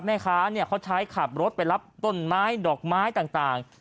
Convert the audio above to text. แม่ค้าเขาใช้ขับรถไปรับต้นไม้ดอกไม้ต่าง